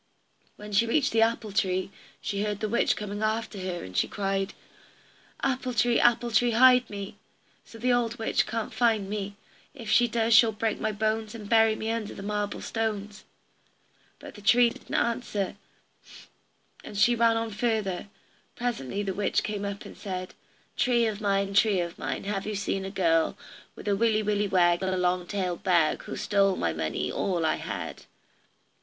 When she reached the apple tree, she heard the witch coming after her, and she cried: "Apple tree, apple tree, hide me, So the old witch can't find me; If she does she'll break my bones, And bury me under the marble stones." But the tree didn't answer, and she ran on further. Presently the witch came up and said: "Tree of mine, tree of mine, Have you seen a girl, With a willy willy wag, and a long tailed bag, Who's stole my money, all I had?"